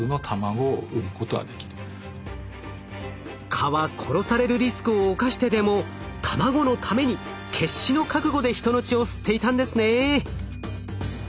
蚊は殺されるリスクを冒してでも卵のために決死の覚悟で人の血を吸っていたんですね。